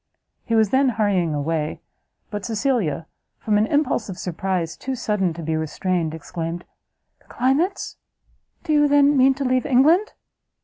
He was then hurrying away, but Cecilia, from an impulse of surprise too sudden to be restrained, exclaimed "The climates? do you, then, mean to leave England?"